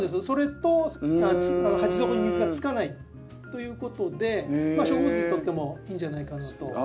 それと鉢底に水がつかないということで植物にとってもいいんじゃないかなと。